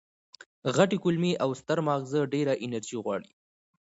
غټې کولمې او ستر ماغز ډېره انرژي غواړي.